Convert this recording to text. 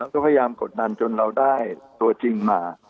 ก็พยายามกดดันจนเราได้ตัวจริงมา